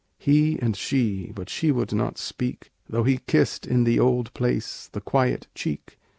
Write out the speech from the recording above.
He and she; but she would not speak, Though he kissed, in the old place, the quiet cheek.